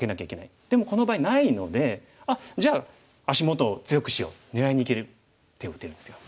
でもこの場合ないのであっじゃあ足元を強くしよう狙いにいける手を打てるんですよ。